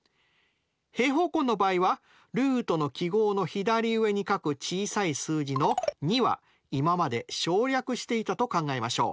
平方根の場合はルートの記号の左上に書く小さい数字の２は今まで省略していたと考えましょう。